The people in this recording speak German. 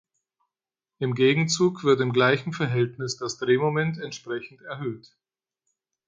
Im Gegenzug wird im gleichen Verhältnis das Drehmoment entsprechend erhöht.